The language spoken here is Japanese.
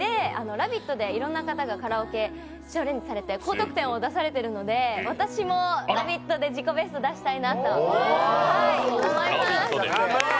「ラヴィット！」ではいろんな方がカラオケに挑戦されて高得点を出されているので、私も「ラヴィット！」で自己ベストを出したいなと思います。